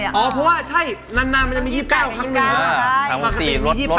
ก็เพราะว่าที่นานนามมี๒๙ครั้งหนึ่ง